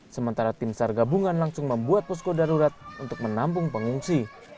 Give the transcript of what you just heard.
sementara tim sar gabungan langsung membuat posko darurat untuk menampung pengungsi